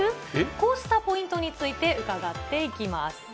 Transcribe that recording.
こうしたポイントについて伺っていきます。